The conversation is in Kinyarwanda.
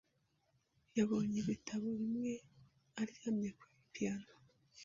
Yabonye ibitabo bimwe aryamye kuri piyano.